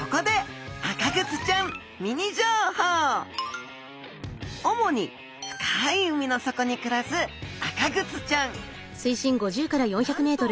ここで主に深い海の底に暮らすアカグツちゃん。